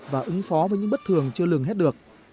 và ứng phó với những bất thường chưa lường hết được